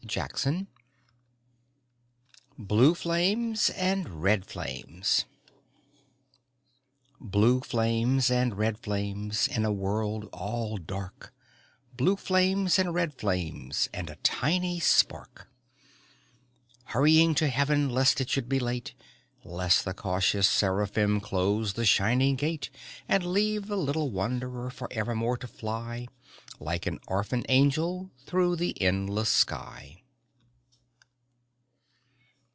BLUE FLAMES AND RED FLAMES Blue flames and red flames In a world all dark; Blue flames and red flames, And a tiny spark Hurrying to heaven, lest it should be late; Lest the cautious seraphim close the shining gate, And leave the little wanderer forevermore to fly Like an orphan angel through the endless sky.